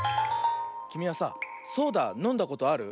きみはさソーダのんだことある？